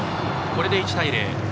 これで１対０。